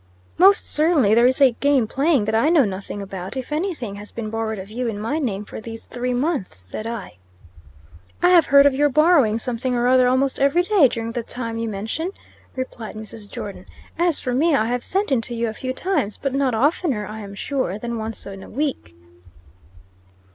"Most certainly there is a game playing that I know nothing about, if anything has been borrowed of you in my name for these three months," said I. "I have heard of your borrowing something or other almost every day during the time you mention," replied Mrs. Jordon. "As for me, I have sent into you a few times; but not oftener, I am sure, than once in a week."